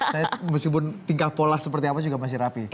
saya meskipun tingkah pola seperti apa juga masih rapi